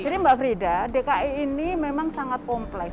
jadi mbak frida dki ini memang sangat beruntung